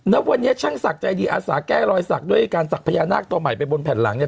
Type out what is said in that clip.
ณวันนี้ช่างศักดิ์ใจดีอาสาแก้รอยสักด้วยการสักพญานาคตัวใหม่ไปบนแผ่นหลังเนี่ย